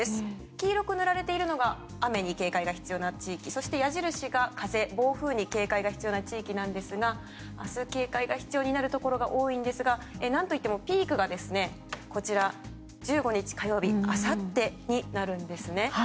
黄色く塗られているのが雨に警戒が必要な地域そして矢印が風、暴風に警戒が必要な地域なんですが明日、警戒が必要になるところが多いんですがなんといっても、ピークが１５日火曜日あさってになるんですね。